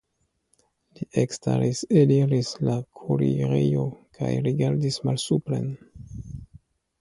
Li ekstaris, eliris el la kuirejo kaj rigardis malsupren.